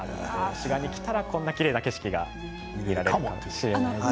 滋賀に来たらこんなきれいな景色が見られるかもしれないです。